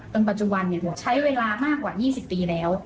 ปัจจุบันใช้เวลามากกว่า๒๐ปีแล้ว